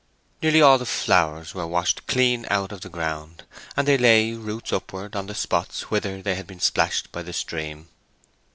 Nearly all the flowers were washed clean out of the ground, and they lay, roots upwards, on the spots whither they had been splashed by the stream.